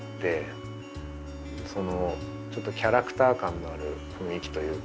ちょっとキャラクター感のある雰囲気というか。